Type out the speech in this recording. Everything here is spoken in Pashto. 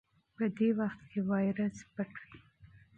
په دې وخت کې وایرس پټ وي.